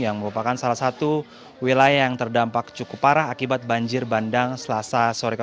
yang merupakan salah satu wilayah yang terdampak cukup parah akibat banjir bandang selasa sore